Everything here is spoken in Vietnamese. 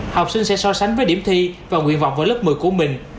học sinh sẽ so sánh với điểm thi và nguyện vọng vào lớp một mươi của mình